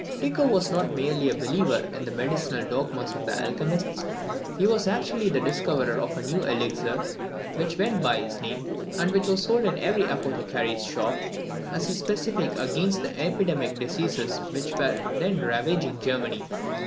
Tycho was not merely a believer in the medical dogmas of the alchemists, he was actually the discoverer of a new elixir, which went by his name, and which was sold in every apothecary's shop as a specific against the epidemic diseases which were then ravaging Germany.